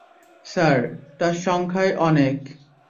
Sir, তারা সংখ্যায় অনেক।